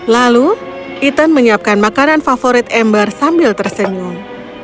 lalu ethan menyiapkan makanan favorit ember sambil tersenyum